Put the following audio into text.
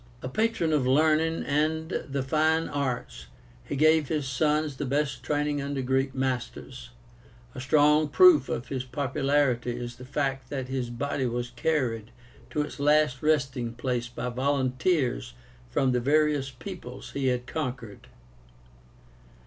A patron of learning and the fine arts, he gave his sons the best training under Greek masters. A strong proof of his popularity is the fact that his body was carried to its last resting place by volunteers from the various peoples he had conquered.